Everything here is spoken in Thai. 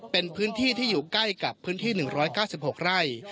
เป็นพื้นที่ที่อยู่ใกล้กับพื้นที่หนึ่งร้อยเก้าสิบหกไร่